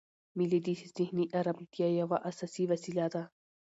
مېلې د ذهني ارامتیا یوه اساسي وسیله ده.